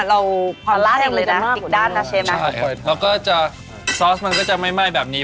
เราความแรงเลยนะอีกด้านนะเชฟนะใช่แล้วก็จะซอสมันก็จะไม่ไหม้แบบนี้